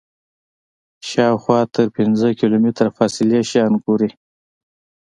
شاوخوا تر پنځه کیلومتره فاصلې شیان ګوري.